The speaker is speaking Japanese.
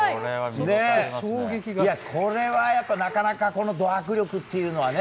これは、なかなかド迫力というのはね。